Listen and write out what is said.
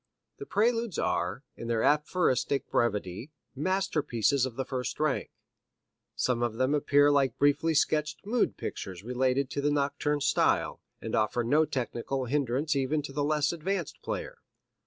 The Preludes are, in their aphoristic brevity, masterpieces of the first rank. Some of them appear like briefly sketched mood pictures related to the nocturne style, and offer no technical hindrance even to the less advanced player.